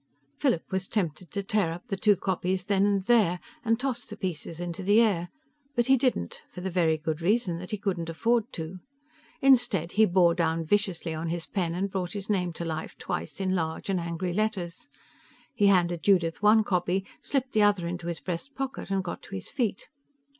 Philip was tempted to tear up the two copies then and there, and toss the pieces into the air. But he didn't, for the very good reason that he couldn't afford to. Instead, he bore down viciously on his pen and brought his name to life twice in large and angry letters. He handed Judith one copy, slipped the other into his breast pocket and got to his feet.